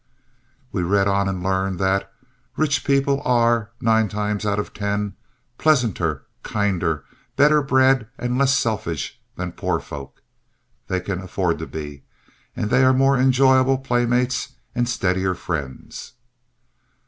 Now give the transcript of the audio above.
We read on and learned that, "Rich people are, nine times out of ten, pleasanter, kindlier, better bred and less selfish than poor folk they can afford to be; and they are more enjoyable playmates and steadier friends."